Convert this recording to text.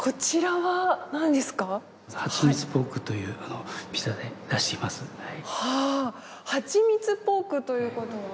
はちみつポークということは。